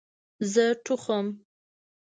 زه ټوخم